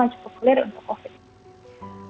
yang cukup populer untuk covid sembilan belas